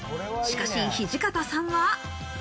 しかし、土方さんは。